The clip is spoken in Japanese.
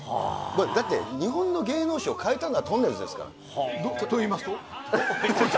だって、日本の芸能史を変えたのはとんねるずですから。といいますと？